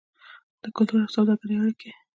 د کلتور او سوداګرۍ اړیکې.